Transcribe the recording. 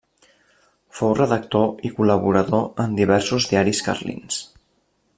Fou redactor i col·laborador en diversos diaris carlins.